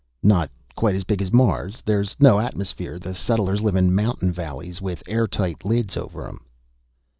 "Not quite as big as Mars. There's no atmosphere. The settlers live in mountain valleys, with air tight lids over 'em."